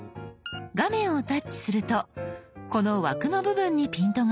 画面をタッチするとこの枠の部分にピントが合います。